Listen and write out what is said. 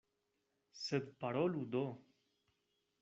Sed parolu do.